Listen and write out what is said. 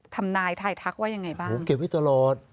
ทำนายทายทักว่ายังไงบ้างผมเก็บไว้ตลอด